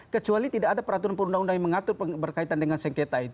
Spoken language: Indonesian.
kecuali tidak ada peraturan perundang undang yang mengatur berkaitan dengan sengketa itu